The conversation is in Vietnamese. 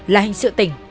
là hình sự tình